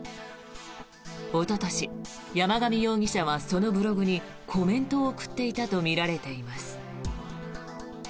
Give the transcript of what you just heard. おととし、山上容疑者はそのブログにコメントを送っていたとみられています。